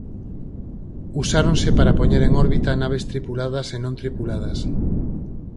Usáronse para poñer en órbita naves tripuladas e non tripuladas.